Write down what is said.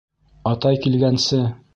Атай килгәнсе...